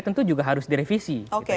tentu juga harus direvisi